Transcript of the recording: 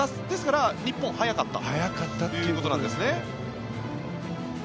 ですから日本は早かったということなんですね。